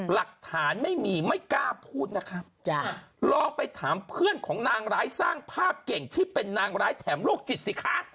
หลักฐานไม่มีไม่กล้าพูดนะครับจ้ะลองไปถามเพื่อนของนางร้ายสร้างภาพเก่งที่เป็นนางร้ายแถมโรคจิตสิคะ